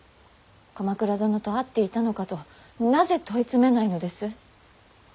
鎌倉殿と会っていたのかとなぜ問い詰めないのです。